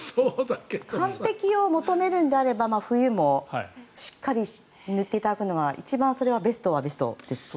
完璧を求めるのであれば冬もしっかり塗っていただくのは一番、ベストはベストです。